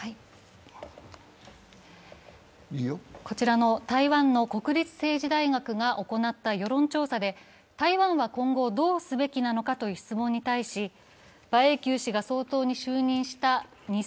こちらの台湾の国立政治大学が行った世論調査で台湾は今後どうすべきなのかという質問に対し、馬英九氏が総統に就任した